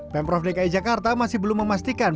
pemprov dki jakarta masih belum memastikan